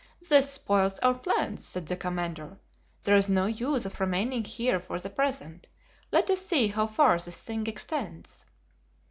"This spoils our plans," said the commander. "There is no use of remaining here for the present; let us see how far this thing extends."